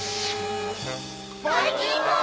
ばいきんまん！